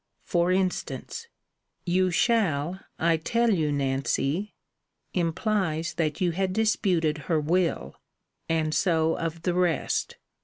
For instance You shall, I tell you, Nancy, implies that you had disputed her will and so of the rest.